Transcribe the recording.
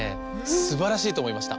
すばらしいとおもいました！